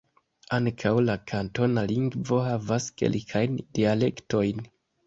Ankaŭ la kantona lingvo havas kelkajn dialektojn.